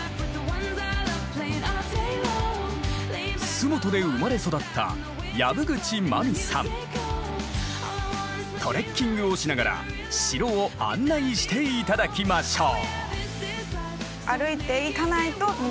洲本で生まれ育ったトレッキングをしながら城を案内して頂きましょう。